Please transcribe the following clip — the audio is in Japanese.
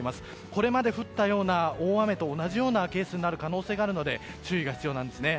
これまで降ったような大雨と同じようなケースになる可能性があるので注意が必要なんです。